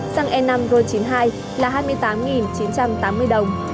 xăng e năm ro chín mươi hai là hai mươi tám chín trăm tám mươi đồng